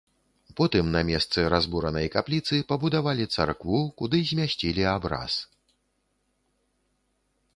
Потым на месцы разбуранай капліцы пабудавалі царкву, куды змясцілі абраз.